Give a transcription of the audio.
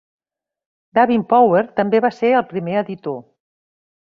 Davin-Power també va ser el primer editor.